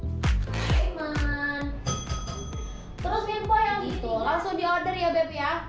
terus mimpi yang gitu langsung di order ya beb ya